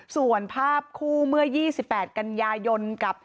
ส่วนภาพคู่เมื่อ๒๘กันยายนกับ